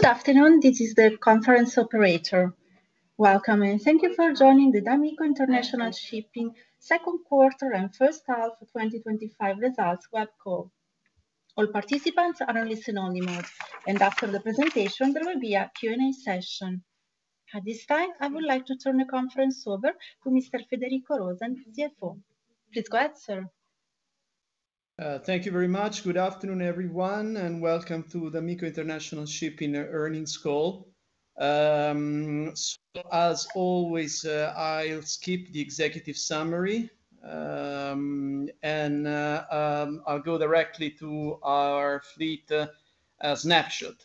Good afternoon, this is the conference operator. Welcome and thank you for joining the d'Amico International Shipping second quarter and first half of 2025 results web call. All participants are in listen-only mode, and after the presentation, there will be a Q&A session. At this time, I would like to turn the conference over to Mr. Federico Rosen, CFO. Please go ahead, sir. Thank you very much. Good afternoon, everyone, and welcome to the d'Amico International Shipping earnings call. As always, I'll skip the executive summary and I'll go directly to our fleet snapshot.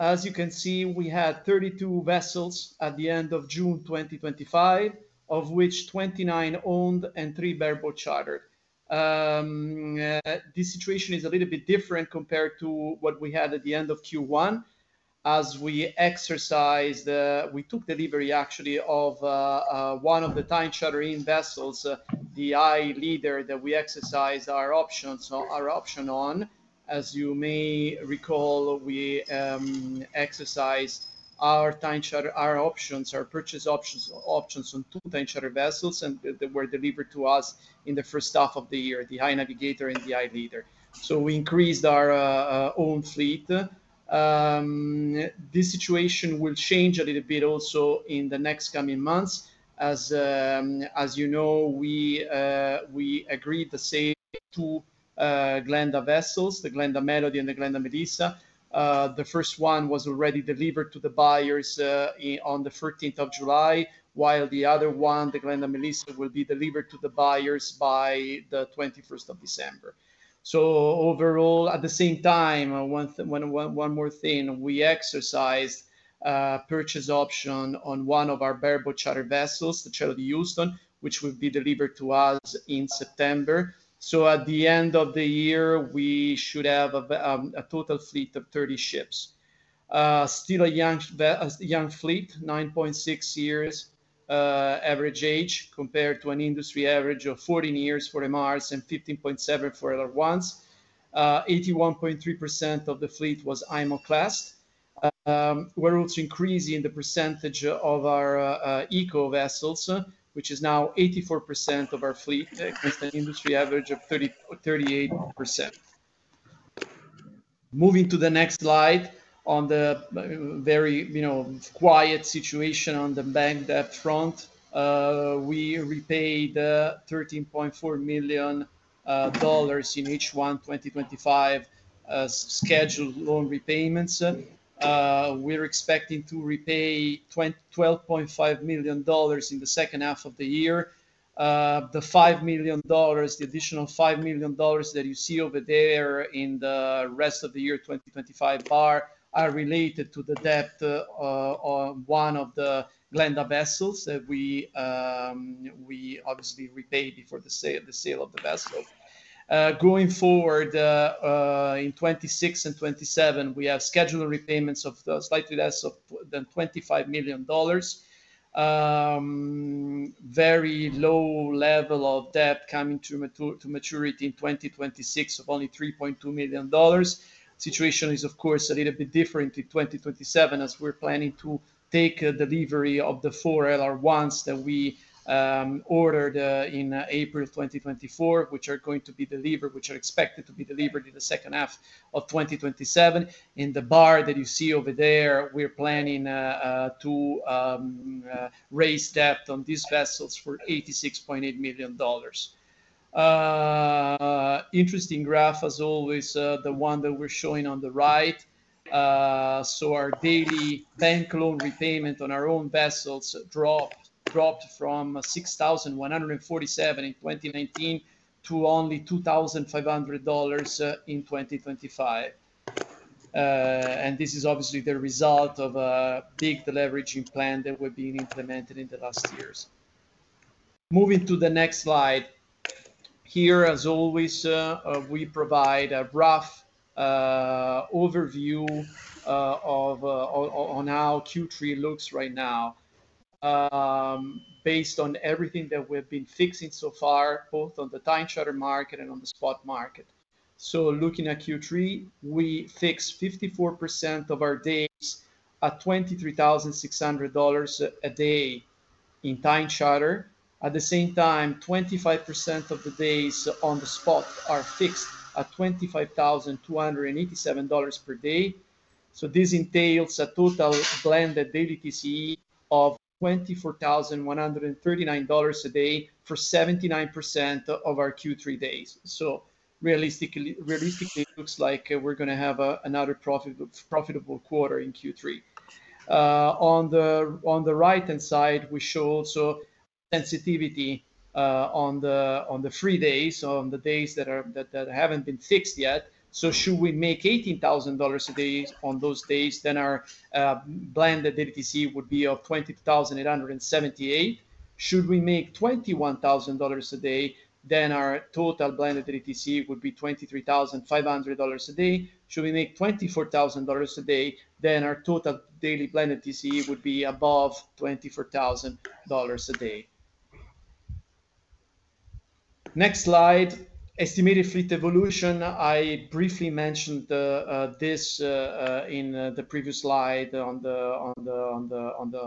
As you can see, we had 32 vessels at the end of June 2025, of which 29 owned and three bareboat chartered. The situation is a little bit different compared to what we had at the end of Q1. As we exercised, we took delivery, actually, of one of the time chartering vessels, the iLeader, that we exercised our option on. As you may recall, we exercised our time charter options, our purchase options on two time charter vessels, and they were delivered to us in the first half of the year, the iNavigator and the iLeader. We increased our own fleet. This situation will change a little bit also in the next coming months. As you know, we agreed to sell two Glenda vessels, the Glenda Melody and the Glenda Melissa. The first one was already delivered to the buyers on the 13th of July, while the other one, the Glenda Melissa, will be delivered to the buyers by the 21st of December. Overall, at the same time, one more thing, we exercised a purchase option on one of our bareboat charter vessels, the Charlottes of Houston, which will be delivered to us in September. At the end of the year, we should have a total fleet of 30 ships. Still a young fleet, 9.6 years average age compared to an industry average of 14 years for MRs and 15.7 for LR1s. 81.3% of the fleet was IMO-classed. We're also increasing the percentage of our ECO-classed vessels, which is now 84% of our fleet, against an industry average of 38%. Moving to the next slide, on the very quiet situation on the bank debt front, we repaid $13.4 million in H1 2025 scheduled loan repayments. We're expecting to repay $12.5 million in the second half of the year. The $5 million, the additional $5 million that you see over there in the rest of the year 2025 bar are related to the debt on one of the Glenda vessels that we obviously repaid before the sale of the vessel. Going forward, in 2026 and 2027, we have scheduled repayments of slightly less than $25 million. Very low level of debt coming to maturity in 2026 of only $3.2 million. The situation is, of course, a little bit different in 2027 as we're planning to take delivery of the four LR1s that we ordered in April 2024, which are expected to be delivered in the second half of 2027. In the bar that you see over there, we're planning to raise debt on these vessels for $86.8 million. Interesting graph, as always, the one that we're showing on the right. Our daily bank loan repayment on our own vessels dropped from $6,147 in 2019 to only $2,500 in 2025. This is obviously the result of a big deleveraging plan that we've been implementing in the last years. Moving to the next slide. Here, as always, we provide a rough overview of how Q3 looks right now, based on everything that we've been fixing so far, both on the time-charter market and on the spot market. Looking at Q3, we fixed 54% of our days at $23,600 a day in time charter. At the same time, 25% of the days on the spot are fixed at $25,287 per day. This entails a total blended WTCE of $24,139 a day for 79% of our Q3 days. Realistically, it looks like we're going to have another profitable quarter in Q3. On the right-hand side, we show also sensitivity on the free days, on the days that haven't been fixed yet. Should we make $18,000 a day on those days, then our blended WTCE would be $22,878. Should we make $21,000 a day, then our total blended WTCE would be $23,500 a day. Should we make $24,000 a day, then our total daily blended WTCE would be above $24,000 a day. Next slide, estimated fleet evolution. I briefly mentioned this in the previous slide on the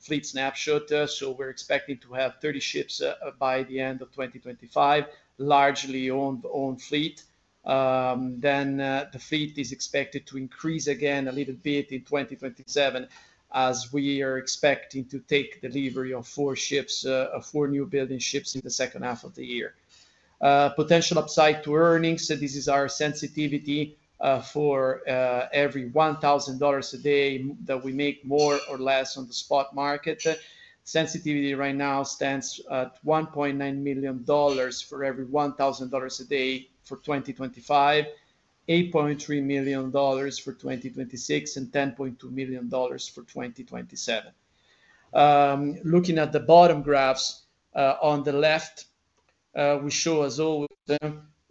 fleet snapshot. We're expecting to have 30 ships by the end of 2025, largely owned fleet. The fleet is expected to increase again a little bit in 2027 as we are expecting to take delivery of four ships, four newbuilding ships in the second half of the year. Potential upside to earnings, this is our sensitivity for every $1,000 a day that we make more or less on the spot market. Sensitivity right now stands at $1.9 million for every $1,000 a day for 2025, $8.3 million for 2026, and $10.2 million for 2027. Looking at the bottom graphs on the left, we show, as always,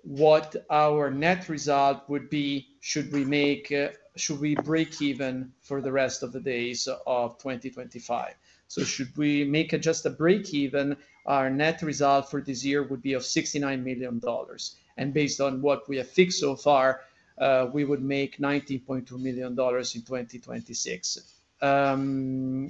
what our net result would be should we break even for the rest of the days of 2025. Should we make just a break even, our net result for this year would be $69 million. Based on what we have fixed so far, we would make $90.2 million in 2026. On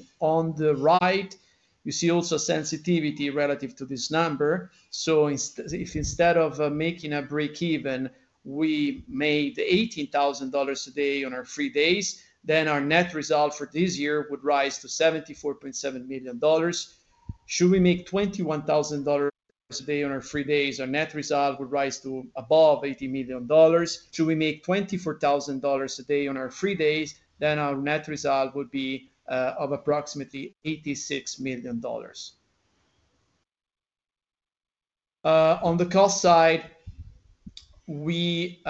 the right, you see also sensitivity relative to this number. If instead of making a break even, we made $18,000 a day on our free days, then our net result for this year would rise to $74.7 million. Should we make $21,000 a day on our free days, our net result would rise to above $80 million. Should we make $24,000 a day on our free days, then our net result would be of approximately $86 million. On the cost side, we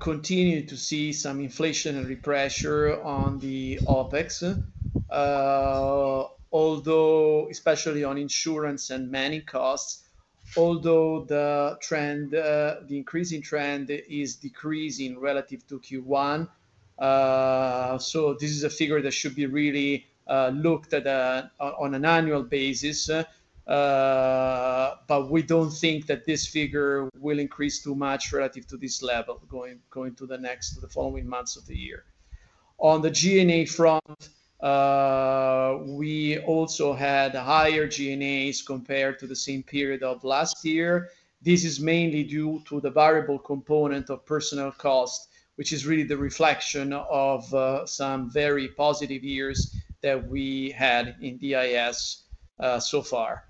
continue to see some inflationary pressure on the OpEx, especially on insurance and manning costs. Although the increasing trend is decreasing relative to Q1, this is a figure that should be really looked at on an annual basis. We don't think that this figure will increase too much relative to this level going to the next to the following months of the year. On the G&A front, we also had higher G&As compared to the same period of last year. This is mainly due to the variable component of personal cost, which is really the reflection of some very positive years that we had in DIS so far.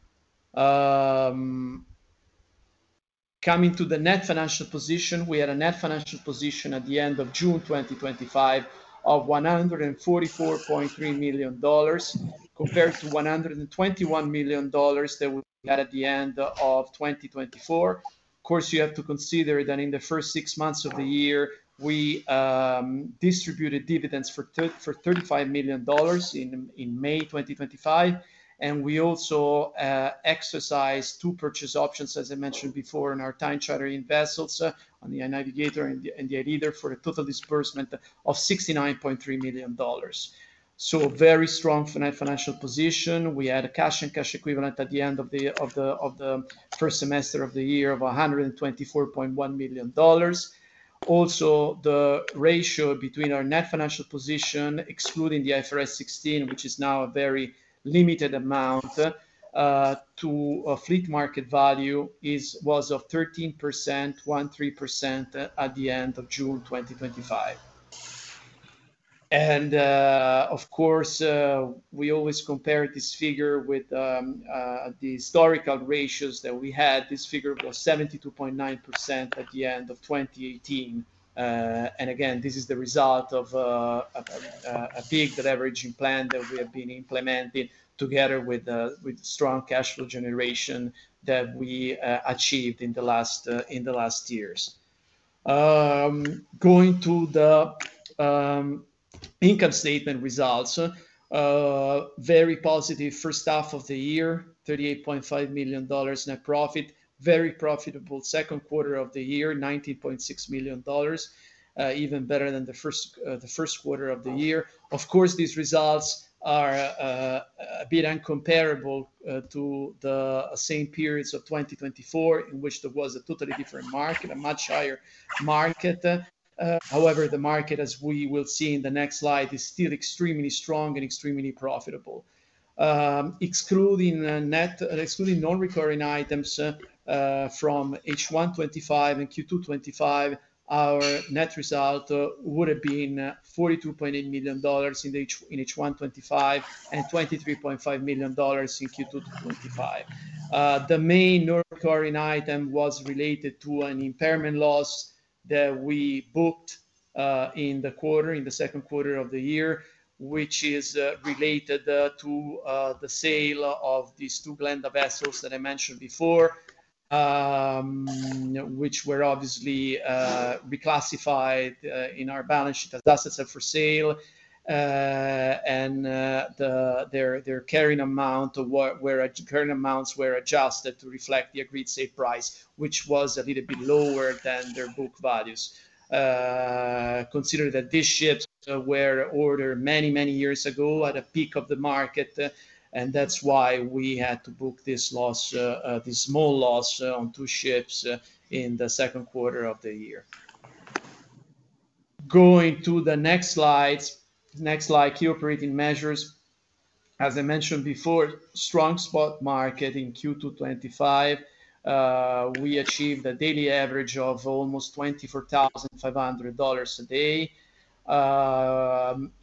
Coming to the net financial position, we had a net financial position at the end of June 2025 of $144.3 million compared to $121 million that we had at the end of 2024. Of course, you have to consider that in the first six months of the year, we distributed dividends for $35 million in May 2025. We also exercised two purchase options, as I mentioned before, on our time chartering vessels, on the iNavigator and the iLeader, for a total disbursement of $69.3 million. A very strong net financial position. We had a cash and cash equivalent at the end of the first semester of the year of $124.1 million. The ratio between our net financial position, excluding the IFRS 16, which is now a very limited amount, to a fleet market value was of 13% at the end of June 2025. We always compare this figure with the historical ratios that we had. This figure was 72.9% at the end of 2018. This is the result of a big deleveraging plan that we have been implementing together with strong cash flow generation that we achieved in the last years. Going to the income statement results, very positive first half of the year, $38.5 million net profit, very profitable second quarter of the year, $19.6 million, even better than the first quarter of the year. These results are a bit uncomparable to the same periods of 2024, in which there was a totally different market, a much higher market. However, the market, as we will see in the next slide, is still extremely strong and extremely profitable. Excluding non-recurring items from H1 2025 and Q2 2025, our net result would have been $42.8 million in H1 2025 and $23.5 million in Q2 2025. The main non-recurring item was related to an impairment loss that we booked in the second quarter of the year, which is related to the sale of these two Glenda vessels that I mentioned before, which were obviously reclassified in our balance sheet as assets for sale. Their carrying amounts were adjusted to reflect the agreed sale price, which was a little bit lower than their book values. Considering that these ships were ordered many, many years ago at a peak of the market, that's why we had to book this loss, this small loss on two ships in the second quarter of the year. Going to the next slide, key operating measures. As I mentioned before, strong spot market in Q2 2025. We achieved a daily average of almost $24,500 a day.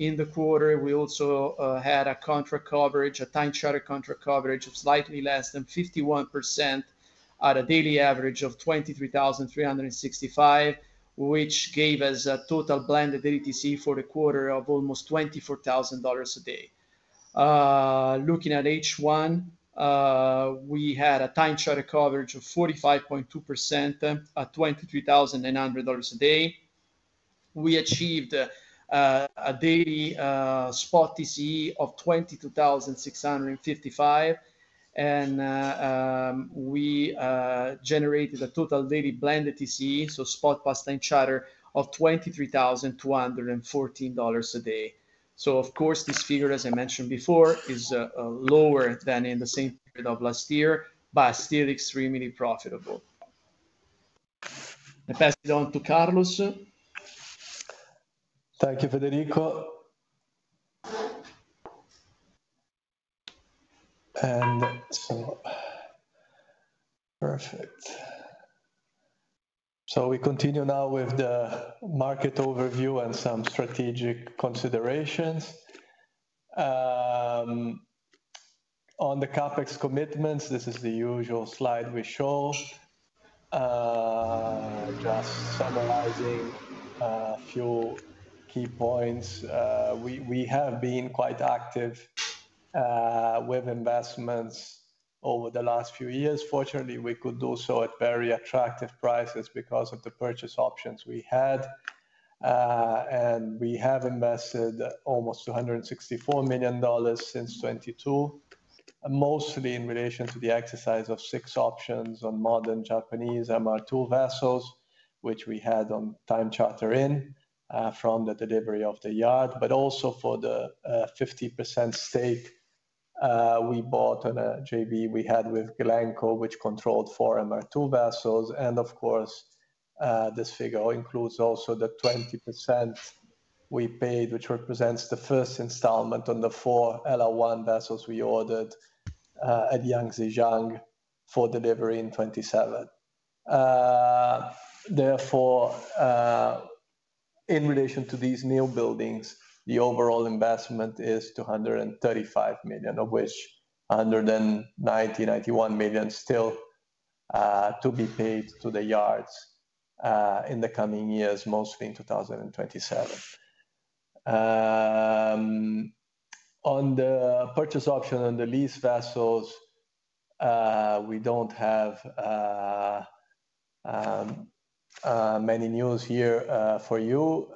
In the quarter, we also had a contract coverage, a time-charter contract coverage of slightly less than 51% at a daily average of $23,365, which gave us a total blended TCE for the quarter of almost $24,000 a day. Looking at H1, we had a time-charter coverage of 45.2% at $23,900 a day. We achieved a daily spot TCE of $22,655, and we generated a total daily blended TCE, so spot plus time-charter, of $23,214 a day. Of course, this figure, as I mentioned before, is lower than in the same period of last year, but still extremely profitable. I pass it on to Carlos. Thank you, Federico. Perfect. We continue now with the market overview and some strategic considerations. On the CapEx commitments, this is the usual slide we show, just summarizing a few key points. We have been quite active with investments over the last few years. Fortunately, we could do so at very attractive prices because of the purchase options we had. We have invested almost $264 million since 2022, mostly in relation to the exercise of six options on modern Japanese MR2 vessels, which we had on time charter in from the delivery of the yacht, but also for the 50% stake we bought on a JV we had with Glenco, which controlled four MR2 vessels. This figure includes also the 20% we paid, which represents the first installment on the four LR1 vessels we ordered at Yangzijang for delivery in 2027. Therefore, in relation to these new buildings, the overall investment is $235 million, of which $191 million still to be paid to the yachts in the coming years, mostly in 2027. On the purchase option on the lease vessels, we do not have many news here for you.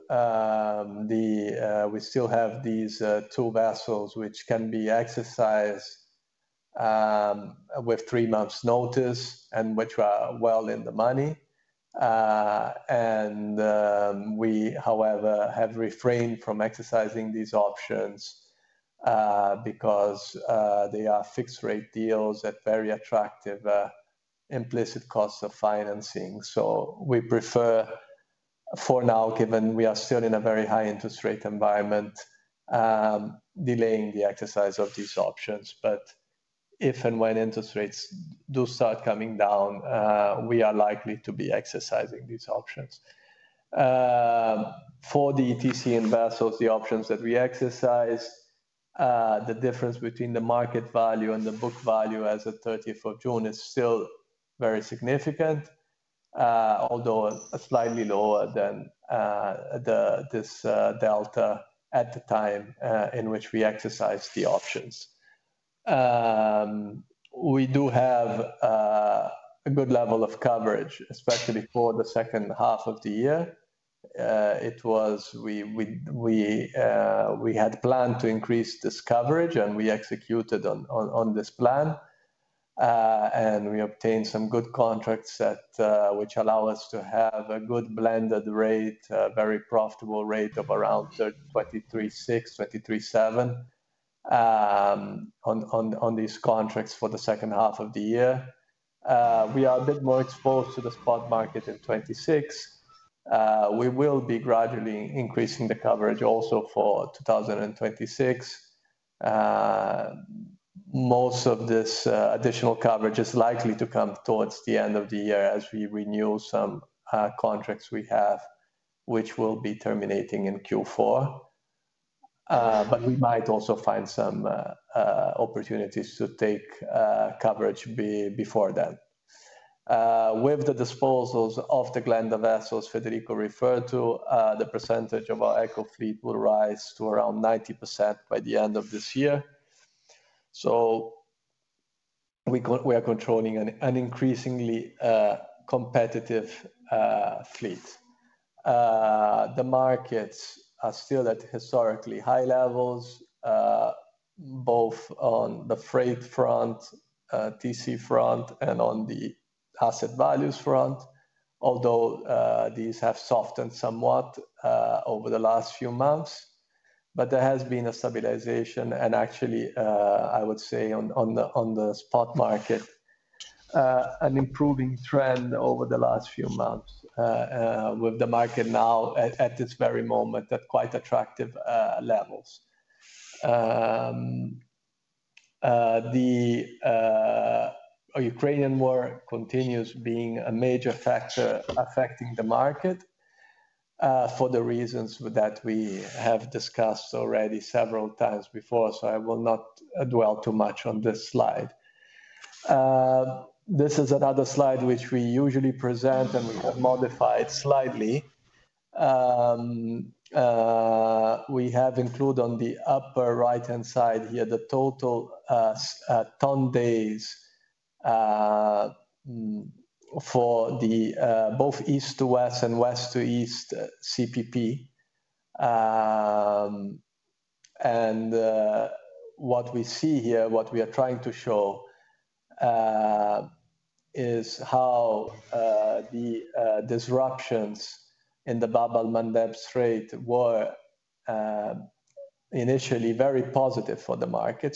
We still have these two vessels, which can be exercised with three months' notice and which are well in the money. We, however, have refrained from exercising these options because they are fixed-rate deals at very attractive implicit costs of financing. We prefer for now, given we are still in a very high interest rate environment, delaying the exercise of these options. If and when interest rates do start coming down, we are likely to be exercising these options. For the ETC and vessels, the options that we exercise, the difference between the market value and the book value as of 30th of June is still very significant, although slightly lower than this delta at the time in which we exercised the options. We do have a good level of coverage, especially for the second half of the year. We had planned to increase this coverage and we executed on this plan. We obtained some good contracts which allow us to have a good blended rate, a very profitable rate of around $23.6, $23.7 on these contracts for the second half of the year. We are a bit more exposed to the spot market in 2026. We will be gradually increasing the coverage also for 2026. Most of this additional coverage is likely to come towards the end of the year as we renew some contracts we have, which will be terminating in Q4. We might also find some opportunities to take coverage before then. With the disposals of the Glenda vessels Federico referred to, the percentage of our ECO fleet will rise to around 90% by the end of this year. We are controlling an increasingly competitive fleet. The markets are still at historically high levels, both on the freight front, TC front, and on the asset values front, although these have softened somewhat over the last few months. There has been a stabilization, and actually, I would say on the spot market, an improving trend over the last few months, with the market now at this very moment at quite attractive levels. The Ukrainian war continues being a major factor affecting the market for the reasons that we have discussed already several times before, so I will not dwell too much on this slide. This is another slide which we usually present and we have modified slightly. We have included on the upper right-hand side here the total ton days for both east to west and west to east CPP. What we see here, what we are trying to show, is how the disruptions in the Bab al-Mandeb Strait were initially very positive for the market.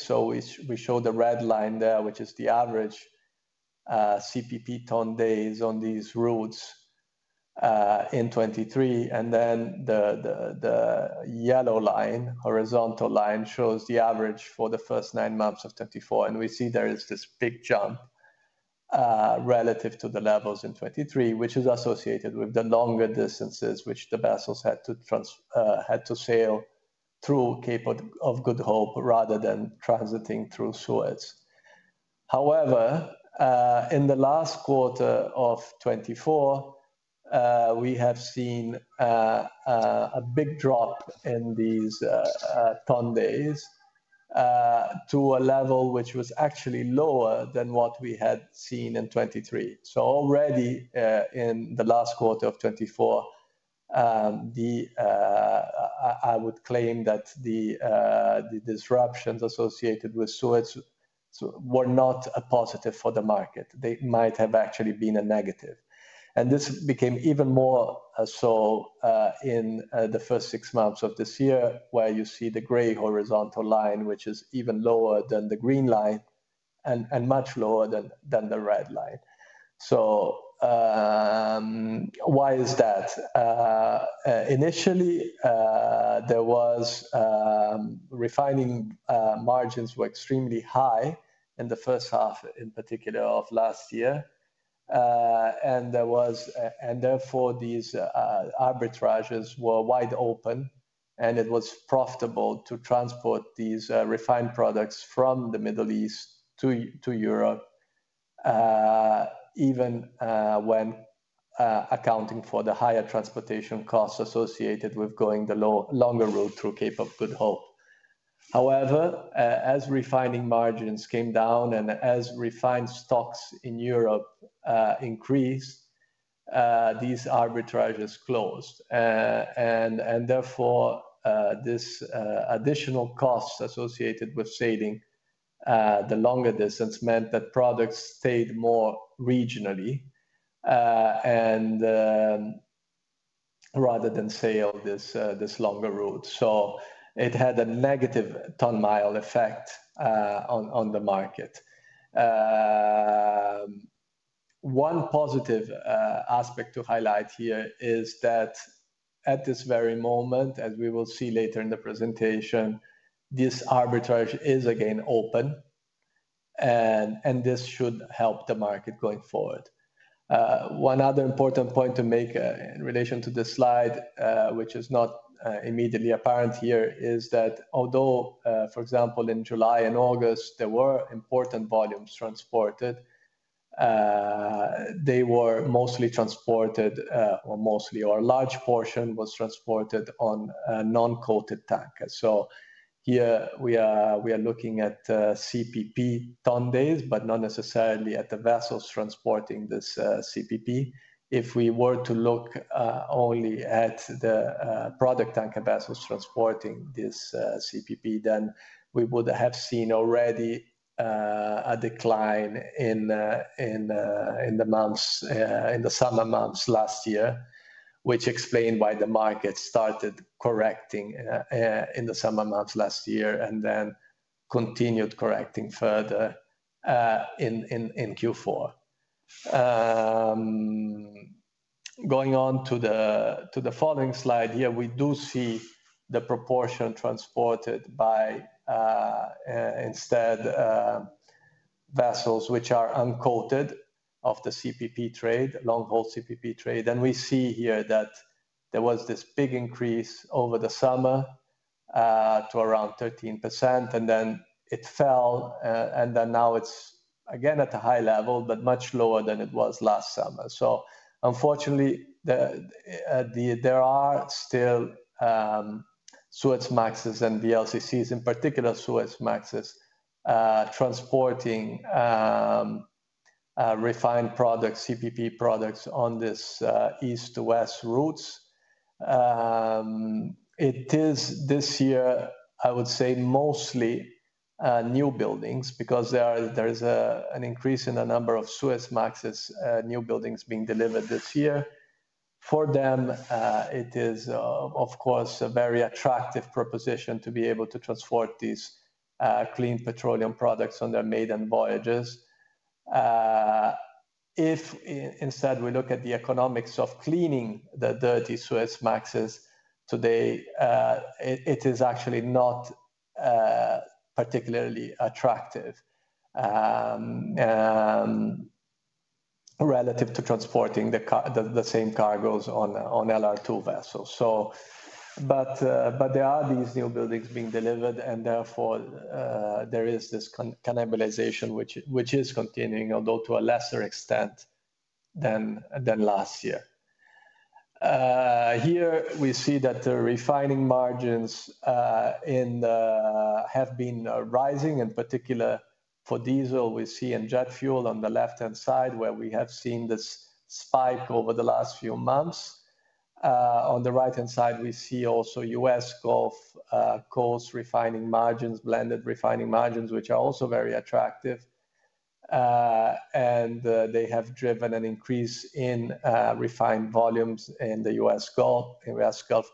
We show the red line there, which is the average CPP ton days on these routes in 2023. The yellow line, horizontal line, shows the average for the first nine months of 2024. We see there is this big jump relative to the levels in 2023, which is associated with the longer distances which the vessels had to sail through Cape of Good Hope rather than transiting through Suez. However, in the last quarter of 2024, we have seen a big drop in these ton days to a level which was actually lower than what we had seen in 2023. Already in the last quarter of 2024, I would claim that the disruptions associated with Suez were not positive for the market. They might have actually been a negative. This became even more so in the first six months of this year, where you see the gray horizontal line, which is even lower than the green line and much lower than the red line. Why is that? Initially, refining margins were extremely high in the first half, in particular, of last year. Therefore, these arbitrages were wide open, and it was profitable to transport these refined products from the Middle East to Europe, even when accounting for the higher transportation costs associated with going the longer route through Cape of Good Hope. However, as refining margins came down and as refined stocks in Europe increased, these arbitrages closed. Therefore, this additional cost associated with sailing the longer distance meant that products stayed more regionally rather than sailing this longer route. It had a negative ton mile effect on the market. One positive aspect to highlight here is that at this very moment, as we will see later in the presentation, this arbitrage is again open, and this should help the market going forward. Another important point to make in relation to this slide, which is not immediately apparent here, is that although, for example, in July and August, there were important volumes transported, they were mostly transported, or mostly, or a large portion was transported on a non-coated tank. Here we are looking at CPP ton days, but not necessarily at the vessels transporting this CPP. If we were to look only at the product tanker vessels transporting this CPP, then we would have seen already a decline in the summer months last year, which explained why the market started correcting in the summer months last year and then continued correcting further in Q4. Going on to the following slide here, we do see the proportion transported by vessels which are uncoated of the CPP trade, long-haul CPP trade. We see here that there was this big increase over the summer to around 13%, then it fell, and now it's again at a high level, but much lower than it was last summer. Unfortunately, there are still Suez Maxis and VLCCs, in particular Suez Maxis, transporting refined products, CPP products on these east-to-west routes. This year, I would say, it is mostly new buildings because there is an increase in the number of Suez Maxis new buildings being delivered this year. For them, it is, of course, a very attractive proposition to be able to transport these clean petroleum products on their maiden voyages. If we look at the economics of cleaning the dirty Suez Maxis today, it is actually not particularly attractive relative to transporting the same cargoes on LR2 vessels. There are these new buildings being delivered, and therefore there is this cannibalization which is continuing, although to a lesser extent than last year. Here we see that the refining margins have been rising, in particular for diesel. We see in jet fuel on the left-hand side where we have seen this spike over the last few months. On the right-hand side, we see also U.S. Gulf Coast refining margins, blended refining margins, which are also very attractive. They have driven an increase in refined volumes in the U.S. Gulf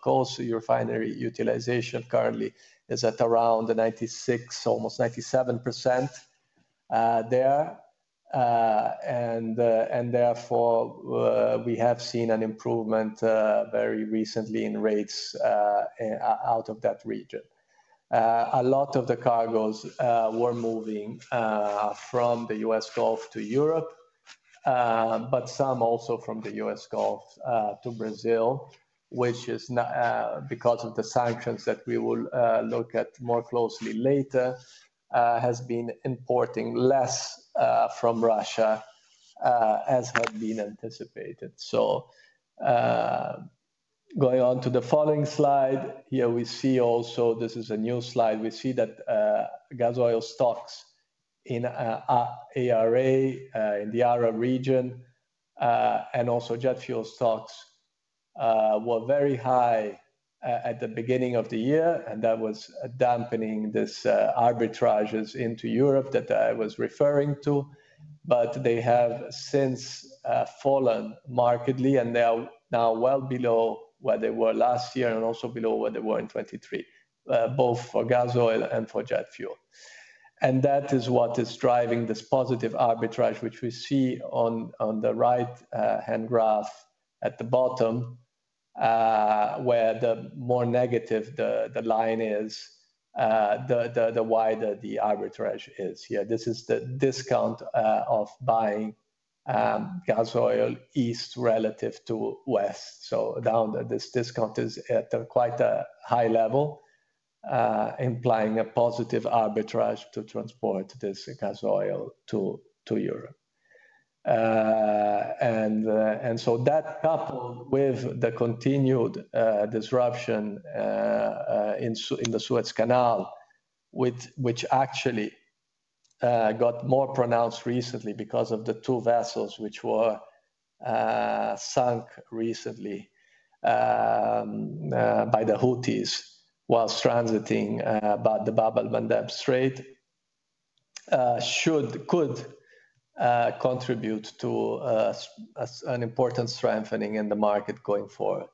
Coast. Refinery utilization currently is at around 96%, almost 97% there. Therefore, we have seen an improvement very recently in rates out of that region. A lot of the cargoes were moving from the U.S. Gulf to Europe, with some also from the U.S. Gulf to Brazil, which is because of the sanctions that we will look at more closely later, has been importing less from Russia as had been anticipated. Going on to the following slide, here we see also, this is a new slide, we see that gas oil stocks in ARA, in the ARA region, and also jet fuel stocks were very high at the beginning of the year, and that was dampening these arbitrages into Europe that I was referring to. They have since fallen markedly and are now well below where they were last year and also below where they were in 2023, both for gas oil and for jet fuel. That is what is driving this positive arbitrage, which we see on the right-hand graph at the bottom, where the more negative the line is, the wider the arbitrage is. Here, this is the discount of buying gas oil east relative to west. This discount is at quite a high level, implying a positive arbitrage to transport this gas oil to Europe. That, coupled with the continued disruption in the Suez Canal, which actually got more pronounced recently because of the two vessels which were sunk recently by the Houthis whilst transiting about the Bab al-Mandeb Strait, could contribute to an important strengthening in the market going forward.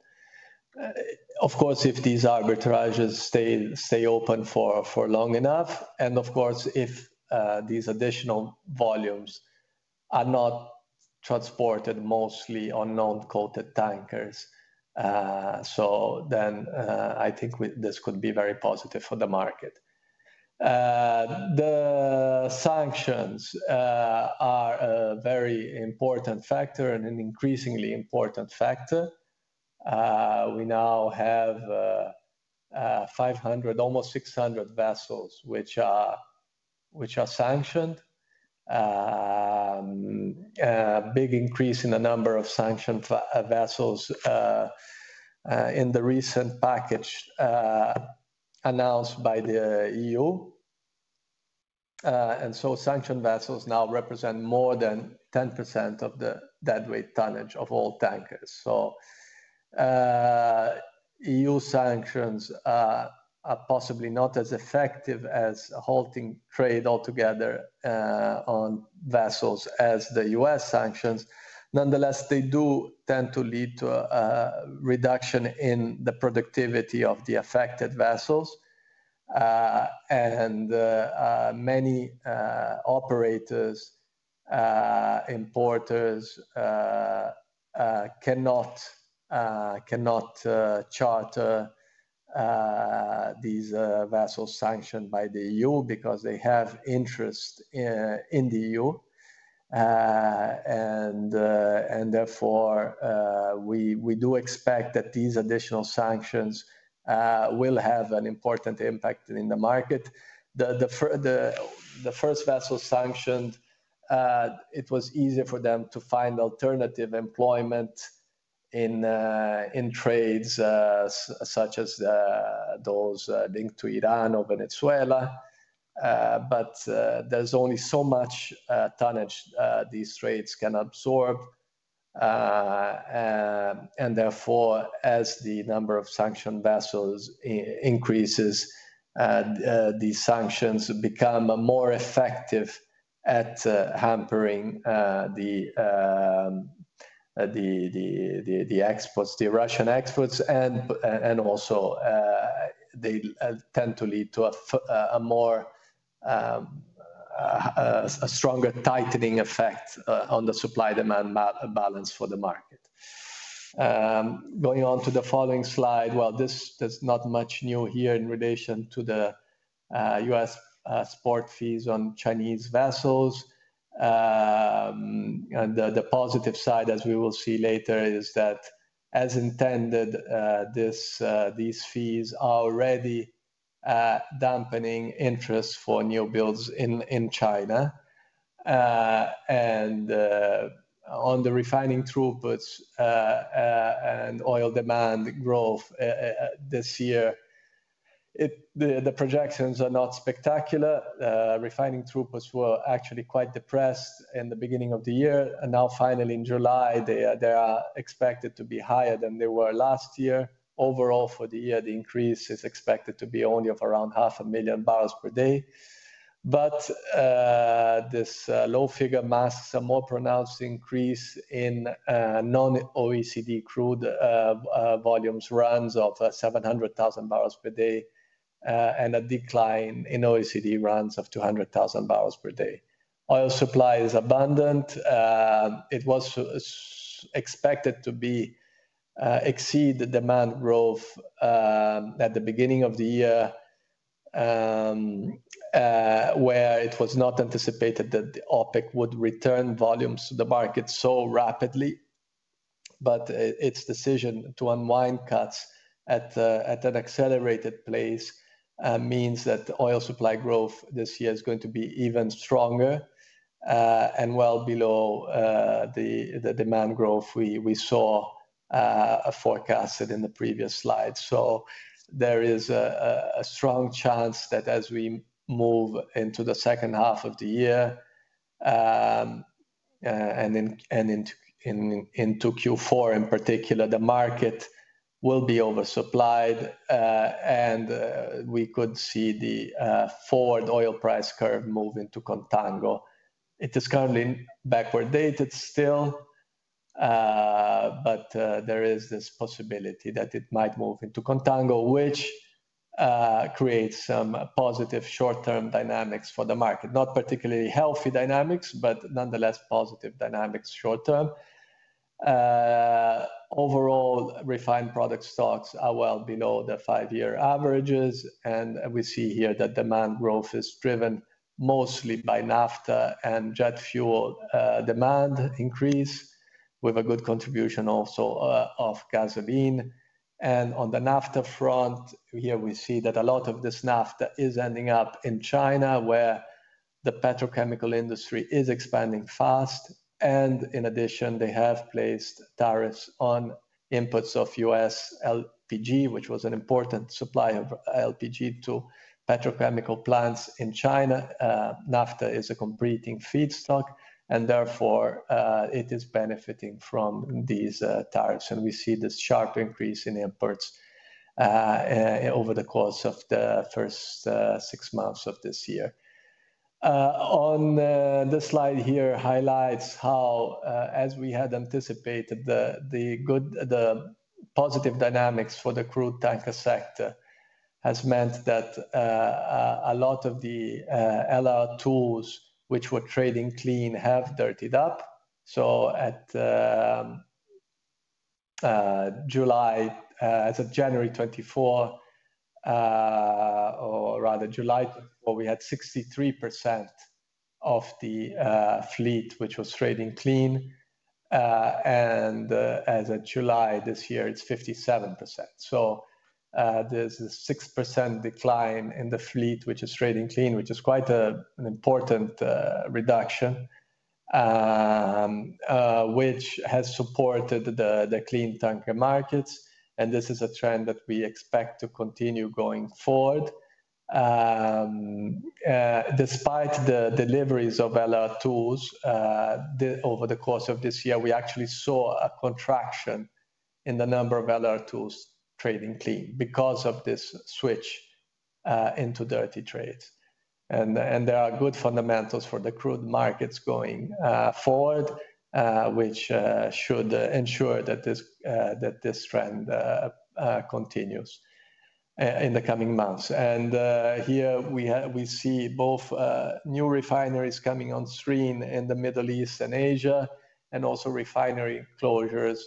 Of course, if these arbitrages stay open for long enough, and if these additional volumes are not transported mostly on non-coated tankers, then I think this could be very positive for the market. The sanctions are a very important factor and an increasingly important factor. We now have 500 vessels, almost 600 vessels which are sanctioned. There has been a big increase in the number of sanctioned vessels in the recent package announced by the EU. Sanctioned vessels now represent more than 10% of the deadweight tonnage of all tankers. EU sanctions are possibly not as effective at halting trade altogether on vessels as the U.S. sanctions. Nonetheless, they do tend to lead to a reduction in the productivity of the affected vessels. Many operators and importers cannot charter these vessels sanctioned by the EU because they have interest in the EU. Therefore, we do expect that these additional sanctions will have an important impact in the market. The first vessel sanctioned, it was easier for them to find alternative employment in trades such as those linked to Iran or Venezuela. There is only so much tonnage these trades can absorb. Therefore, as the number of sanctioned vessels increases, these sanctions become more effective at hampering the exports, the Russian exports, and also they tend to lead to a stronger tightening effect on the supply-demand balance for the market. Going on to the following slide, there is not much new here in relation to the U.S. port fees on Chinese vessels. The positive side, as we will see later, is that as intended, these fees are already dampening interest for new builds in China. On the refining throughputs and oil demand growth this year, the projections are not spectacular. Refining throughputs were actually quite depressed in the beginning of the year. Now, finally, in July, they are expected to be higher than they were last year. Overall, for the year, the increase is expected to be only around 500,000 barrels per day. This low figure masks a more pronounced increase in non-OECD crude volumes runs of 700,000 barrels per day and a decline in OECD runs of 200,000 barrels per day. Oil supply is abundant. It was expected to exceed the demand growth at the beginning of the year, where it was not anticipated that OPEC would return volumes to the market so rapidly. Its decision to unwind cuts at an accelerated pace means that oil supply growth this year is going to be even stronger and well below the demand growth we saw forecasted in the previous slide. There is a strong chance that as we move into the second half of the year and into Q4 in particular, the market will be oversupplied and we could see the forward oil price curve move into contango. It is currently backward dated still, but there is this possibility that it might move into contango, which creates some positive short-term dynamics for the market. Not particularly healthy dynamics, but nonetheless positive dynamics short-term. Overall, refined product stocks are well below the five-year averages, and we see here that demand growth is driven mostly by naphtha and jet fuel demand increase, with a good contribution also of gasoline. On the naphtha front, here we see that a lot of this naphtha is ending up in China, where the petrochemical industry is expanding fast. In addition, they have placed tariffs on imports of U.S. LPG, which was an important supplier of LPG to petrochemical plants in China. Naphtha is a competing feedstock, and therefore it is benefiting from these tariffs. We see this sharp increase in imports over the course of the first six months of this year. This slide highlights how, as we had anticipated, the positive dynamics for the crude tanker sector has meant that a lot of the LR2s which were trading clean have dirtied up. As of January 2024, or rather July 2024, we had 63% of the fleet which was trading clean. As of July this year, it's 57%. There is a 6% decline in the fleet which is trading clean, which is quite an important reduction, which has supported the clean tanker markets. This is a trend that we expect to continue going forward. Despite the deliveries of LR2s over the course of this year, we actually saw a contraction in the number of LR2s trading clean because of this switch into dirty trades. There are good fundamentals for the crude markets going forward, which should ensure that this trend continues in the coming months. Here we see both new refineries coming on stream in the Middle East and Asia, and also refinery closures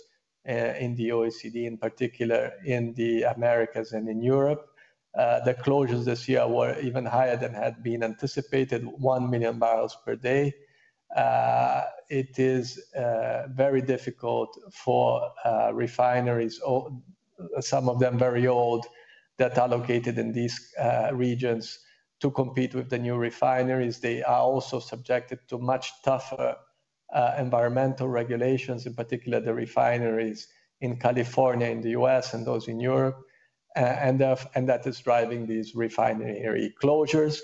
in the OECD, in particular in the Americas and in Europe. The closures this year were even higher than had been anticipated, 1 million barrels per day. It is very difficult for refineries, some of them very old, that are located in these regions to compete with the new refineries. They are also subjected to much tougher environmental regulations, in particular the refineries in California, in the U.S., and those in Europe. That is driving these refinery closures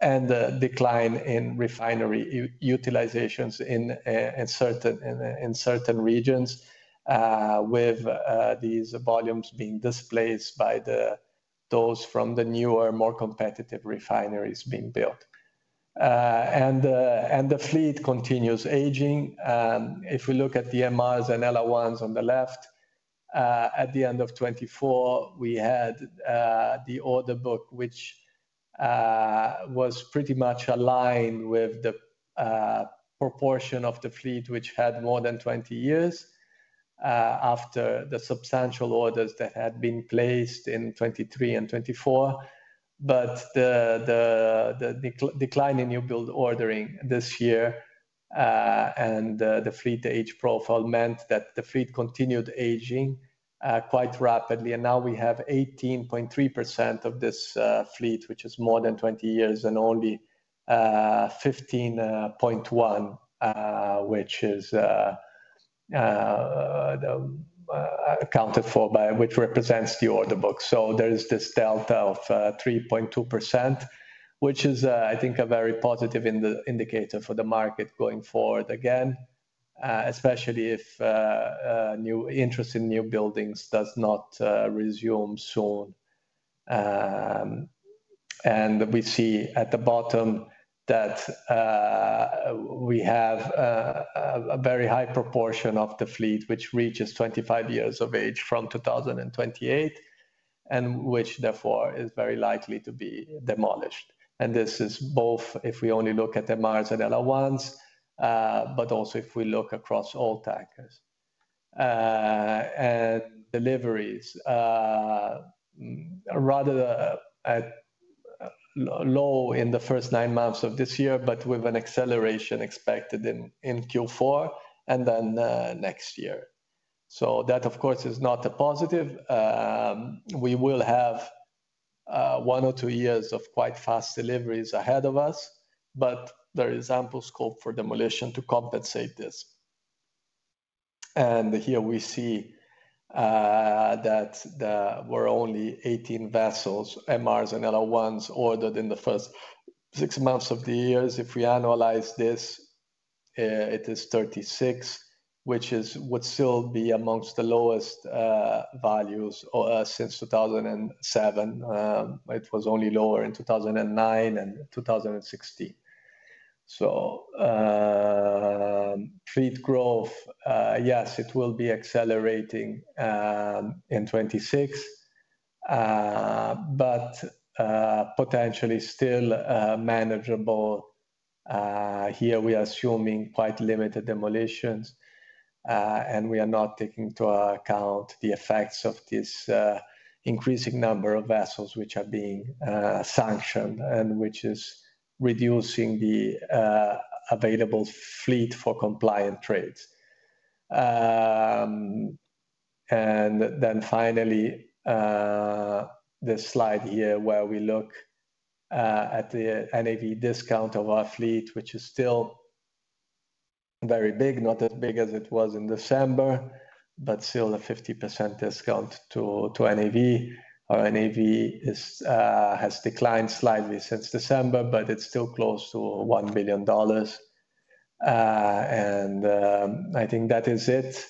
and the decline in refinery utilizations in certain regions, with these volumes being displaced by those from the newer, more competitive refineries being built. The fleet continues aging. If we look at the MRs and LR1s on the left, at the end of 2024, we had the order book, which was pretty much aligned with the proportion of the fleet which had more than 20 years after the substantial orders that had been placed in 2023 and 2024. The decline in new build ordering this year and the fleet age profile meant that the fleet continued aging quite rapidly. We have 18.3% of this fleet, which is more than 20 years, and only 15.1%, which is accounted for by, which represents the order book. There is this delta of 3.2%, which is, I think, a very positive indicator for the market going forward again, especially if interest in new buildings does not resume soon. We see at the bottom that we have a very high proportion of the fleet which reaches 25 years of age from 2028, and which therefore is very likely to be demolished. This is both if we only look at MRs and LR1s, but also if we look across all tankers. Deliveries are rather low in the first nine months of this year, with an acceleration expected in Q4 and then next year. That, of course, is not a positive. We will have one or two years of quite fast deliveries ahead of us, but there is ample scope for demolition to compensate this. Here we see that there were only 18 vessels, MRs and LR1s, ordered in the first six months of the year. If we analyze this, it is 36, which would still be amongst the lowest values since 2007. It was only lower in 2009 and 2016. Fleet growth, yes, it will be accelerating in 2026, but potentially still manageable. Here we are assuming quite limited demolitions, and we are not taking into account the effects of this increasing number of vessels which are being sanctioned and which is reducing the available fleet for compliant trades. Finally, this slide here where we look at the NAV discount of our fleet, which is still very big, not as big as it was in December, but still a 50% discount to NAV. Our NAV has declined slightly since December, but it's still close to $1 billion. I think that is it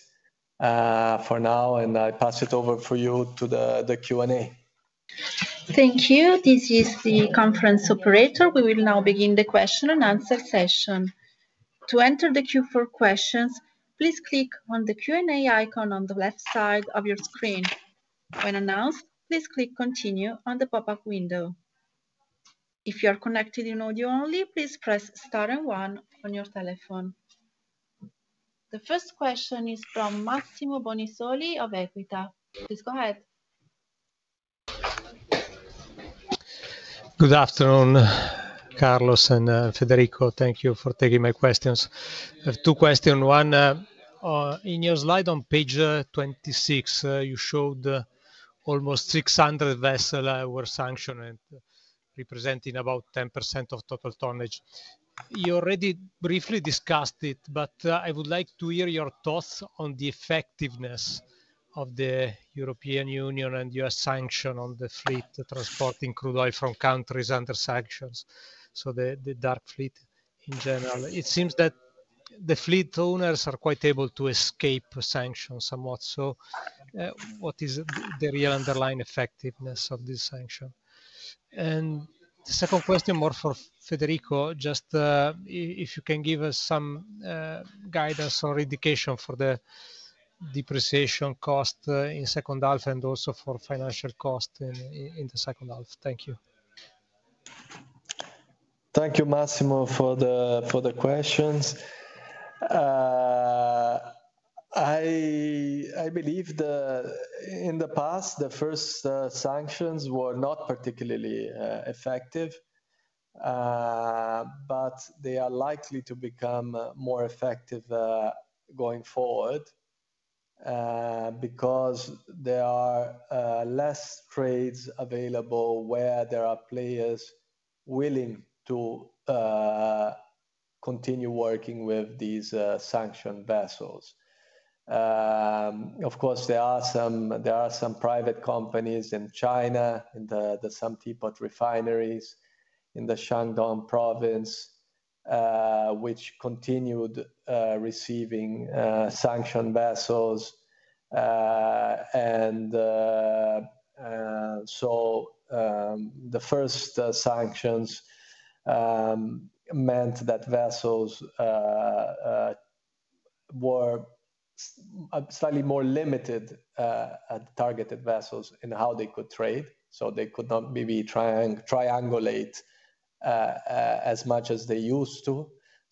for now, and I pass it over for you to the Q&A. Thank you. This is the conference operator. We will now begin the question-and-answer session. To enter the Q4 questions, please click on the Q&A icon on the left side of your screen. When announced, please click continue on the pop-up window. If you are connected in audio-only, please press star and one on your telephone. The first question is from Massimo Bonisoli of EQUITA. Please go ahead. Good afternoon, Carlos and Federico. Thank you for taking my questions. Two questions. One, in your slide on page 26, you showed almost 600 vessels were sanctioned, representing about 10% of total tonnage. You already briefly discussed it, but I would like to hear your thoughts on the effectiveness of the European Union and U.S. sanction on the fleet transporting crude oil from countries under sanctions. The dark fleet in general, it seems that the fleet owners are quite able to escape sanctions somewhat. What is the real underlying effectiveness of this sanction? The second question, more for Federico, just if you can give us some guidance or indication for the depreciation cost in second half and also for financial cost in the second half. Thank you. Thank you, Massimo, for the questions. I believe that in the past, the first sanctions were not particularly effective, but they are likely to become more effective going forward because there are less trades available where there are players willing to continue working with these sanctioned vessels. Of course, there are some private companies in China, in the Santee Port refineries in the Shandong province, which continued receiving sanctioned vessels. The first sanctions meant that vessels were slightly more limited at targeted vessels in how they could trade. They could not maybe triangulate as much as they used to.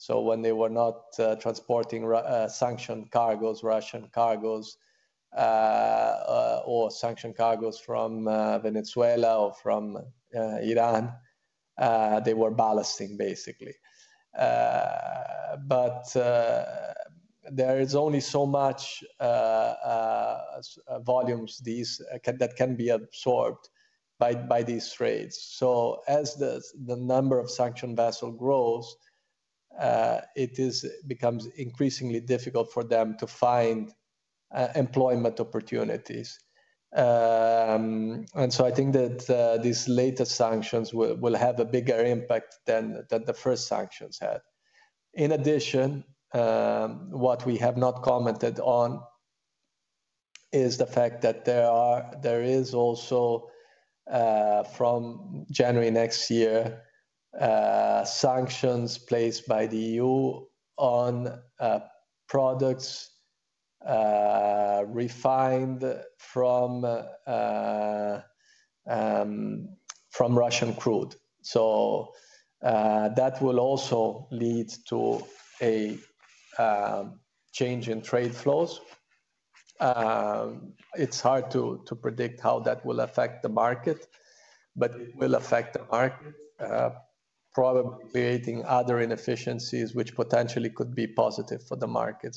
When they were not transporting sanctioned cargoes, Russian cargoes, or sanctioned cargoes from Venezuela or from Iran, they were ballasting, basically. There is only so much volumes that can be absorbed by these trades. As the number of sanctioned vessels grows, it becomes increasingly difficult for them to find employment opportunities. I think that these latest sanctions will have a bigger impact than the first sanctions had. In addition, what we have not commented on is the fact that there is also, from January next year, sanctions placed by the EU on products refined from Russian crude. That will also lead to a change in trade flows. It's hard to predict how that will affect the market, but it will affect the market, probably creating other inefficiencies which potentially could be positive for the market.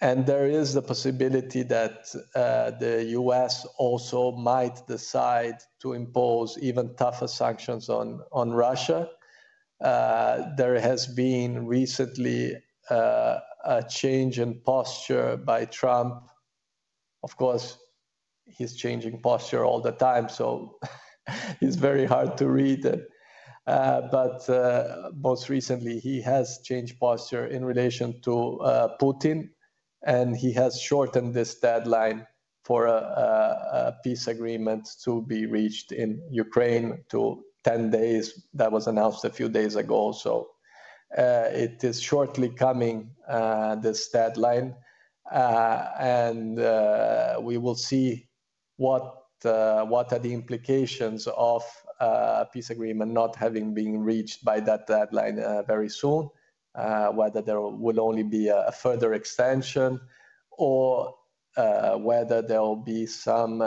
There is the possibility that the U.S. also might decide to impose even tougher sanctions on Russia. There has been recently a change in posture by Trump. Of course, he's changing posture all the time, so it's very hard to read it. Most recently, he has changed posture in relation to Putin, and he has shortened this deadline for a peace agreement to be reached in Ukraine to 10 days. That was announced a few days ago. It is shortly coming, this deadline. We will see what are the implications of a peace agreement not having been reached by that deadline very soon, whether there will only be a further extension or whether there will be some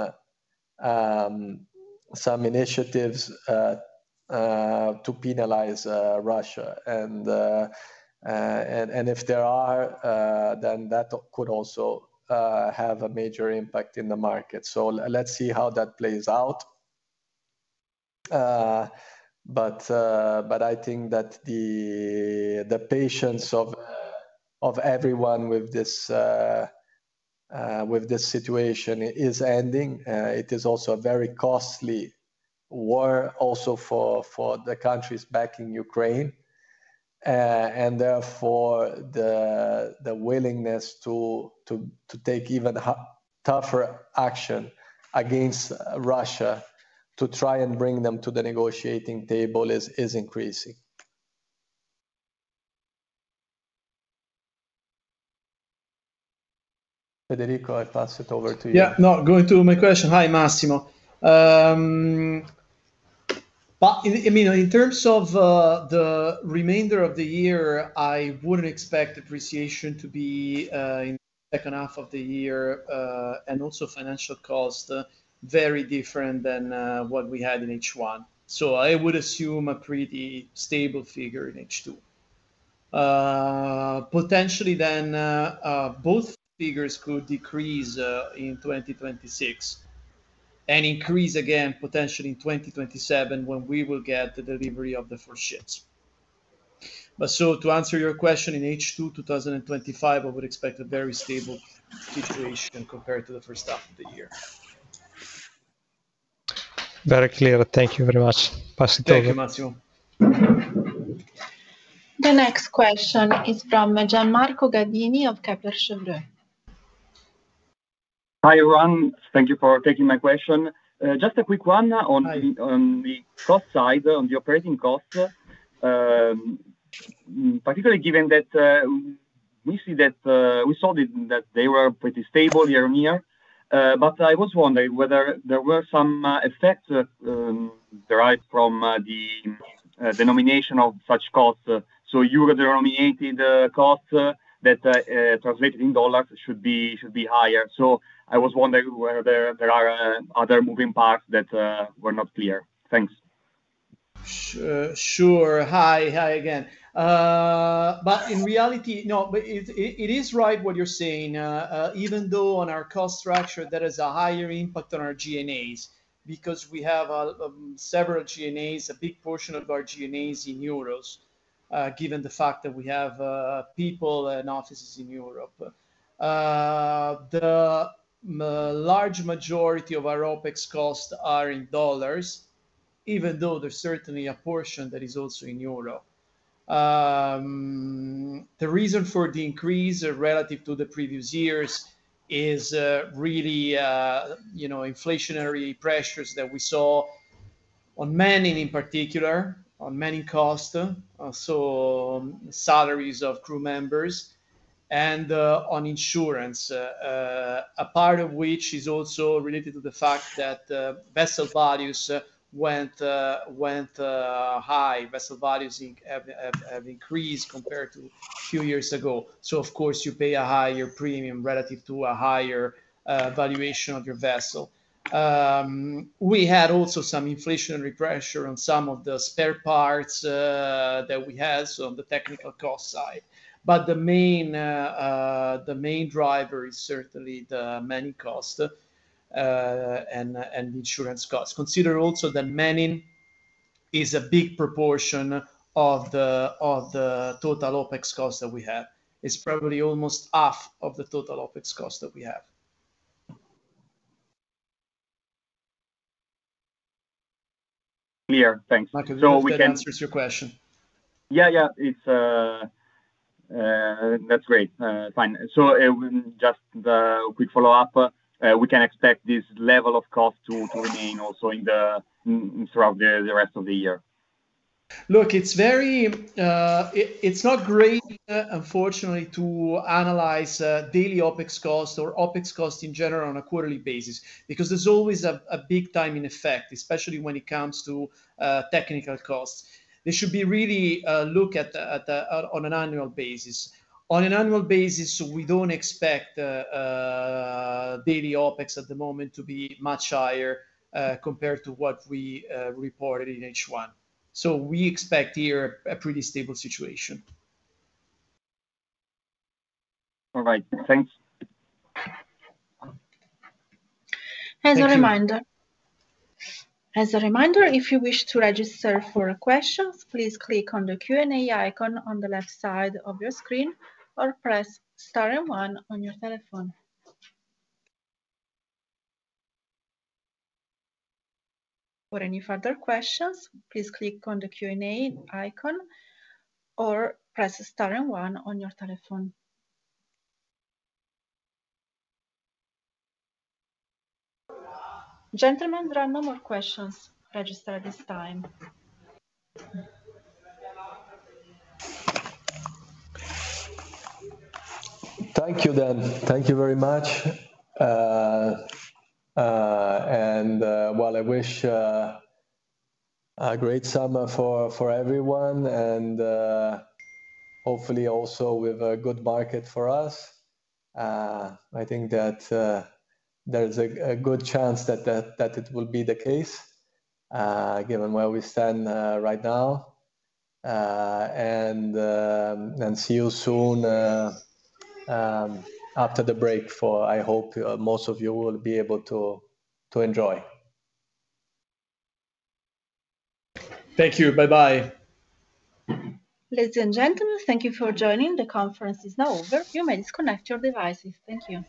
initiatives to penalize Russia. If there are, then that could also have a major impact in the market. Let's see how that plays out. I think that the patience of everyone with this situation is ending. It is also a very costly war, also for the countries backing Ukraine. Therefore, the willingness to take even tougher action against Russia to try and bring them to the negotiating table is increasing. Federico, I pass it over to you. Yeah, going to my question. Hi, Massimo. I mean, in terms of the remainder of the year, I wouldn't expect appreciation to be in the second half of the year and also financial cost very different than what we had in H1. I would assume a pretty stable figure in H2. Potentially, both figures could decrease in 2026 and increase again potentially in 2027 when we will get the delivery of the first ships. To answer your question, in H2 2025, I would expect a very stable situation compared to the first half of the year. Very clear. Thank you very much. Thank you, Massimo. The next question is from Gian Marco Gadini of Kepler Cheuvreux. Hi, Ron. Thank you for taking my question. Just a quick one on the cost side, on the operating cost, particularly given that we saw that they were pretty stable year-on-year. I was wondering whether there were some effects derived from the denomination of such costs. Euro denominated costs that translated in dollars should be higher. I was wondering whether there are other moving parts that were not clear. Thanks. Sure. Hi. Hi again. It is right what you're saying. Even though on our cost structure, there is a higher impact on our G&As because we have several G&As, a big portion of our G&As in euros, given the fact that we have people and offices in Europe. The large majority of our OpEx costs are in dollars, even though there's certainly a portion that is also in euro. The reason for the increase relative to the previous years is really inflationary pressures that we saw on many, in particular, on many costs, so salaries of crew members and on insurance, a part of which is also related to the fact that vessel values went high. Vessel values have increased compared to a few years ago. Of course, you pay a higher premium relative to a higher valuation of your vessel. We had also some inflationary pressure on some of the spare parts that we had on the technical cost side. The main driver is certainly the man-in cost and the insurance cost. Consider also that man-in is a big proportion of the total OpEx cost that we have. It's probably almost half of the total OpEx cost that we have. Here, thanks. Hope that answers your question. Yeah, that's great. Fine. Just a quick follow-up. We can expect this level of cost to remain also throughout the rest of the year. Look, it's not great, unfortunately, to analyze daily OpEx cxost or OpEx cost in general on a quarterly basis because there's always a big timing effect, especially when it comes to technical costs. They should be really looked at on an annual basis. On an annual basis, we don't expect daily OpEx at the moment to be much higher compared to what we reported in H1. We expect here a pretty stable situation. All right, thanks. As a reminder, if you wish to register for questions, please click on the Q&A icon on the left side of your screen or press star and one on your telephone. For any further questions, please click on the Q&A icon or press star and one on your telephone. Gentlemen, there are no more questions registered at this time. Thank you very much. I wish a great summer for everyone and hopefully also with a good market for us. I think that there's a good chance that it will be the case given where we stand right now. See you soon after the break, for I hope most of you will be able to enjoy. Thank you. Bye bye. Ladies and gentlemen, thank you for joining. The conference is now over. You may disconnect your devices. Thank you.